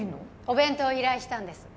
お弁当を依頼したんです